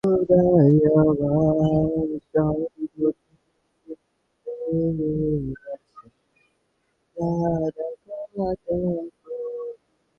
কিন্তু সে আমাকে খুবই হতাশ করেছে।